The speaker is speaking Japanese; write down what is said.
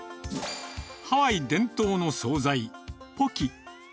ハワイ伝統の総菜、ポキ。